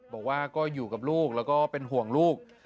บอกว่าก็อยู่กับลูกแล้วก็เป็นห่วงลูก